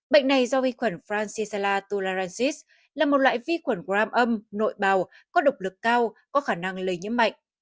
bệnh này do vi khuẩn francisala tularancis là một loại vi khuẩn gram âm nội bào có độc lực cao có khả năng lây nhiễm mạnh